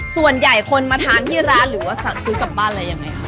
ส่วนใหญ่คนมาทานที่ร้านหรือว่าสั่งซื้อกลับบ้านอะไรยังไงคะ